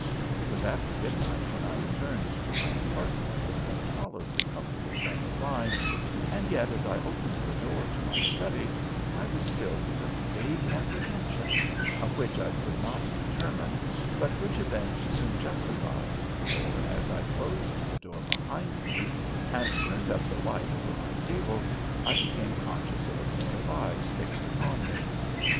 It was after midnight when I returned to my apartment in a tolerably comfortable frame of mind, and yet as I opened the door to my study I was filled with a vague apprehension of what I could not determine, but which events soon justified, for as I closed the door behind me, and turned up the light over my table, I became conscious of a pair of eyes fixed upon me.